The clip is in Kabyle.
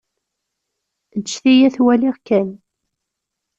Eǧǧ-iyi ad t-waliɣ kan.